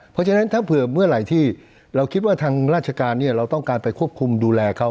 เพราะฉะนั้นถ้าเผื่อเมื่อไหร่ที่เราคิดว่าทางราชการเราต้องการไปควบคุมดูแลเขา